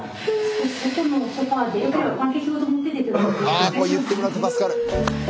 あこれ言ってもらうと助かる。